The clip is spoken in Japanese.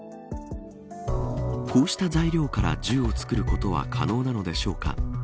こうした材料から銃を作ることは可能なのでしょうか。